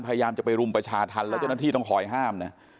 พยายามจะไปรุมประชาธรรมแล้วเจ้าหน้าที่ต้องคอยห้ามนะ